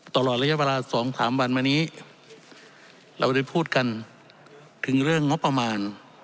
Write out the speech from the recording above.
ตลอดระยะเวลาสองสามวันมานี้เราได้พูดกันถึงเรื่องงบประมาณ